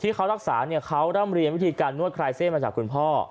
ที่เขารักษาเนี่ยเขารำเรียนวิธีการนวดใครเซมาจากคุณพ่อ